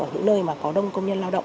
ở những nơi có đông công nhân lao động